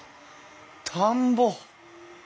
田んぼ！